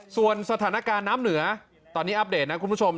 ส่วนสถานการณ์น้ำเหนือตอนนี้อัปเดตนะคุณผู้ชม